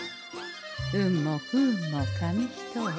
運も不運も紙一重。